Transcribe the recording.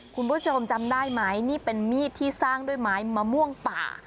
คุณผู้ชมจำได้ไหมนี่เป็นมีดที่สร้างด้วยไม้มะม่วงป่า